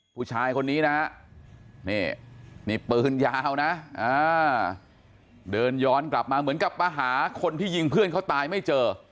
ผู้ชายคนนี้นะฮะนี่นี่ปืนยาวนะเดินย้อนกลับมาเหมือนกับมาหาคนที่ยิงเพื่อนเขาตายไม่เจอ